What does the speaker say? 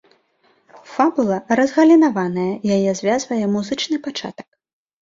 Фабула разгалінаваная, яе звязвае музычны пачатак.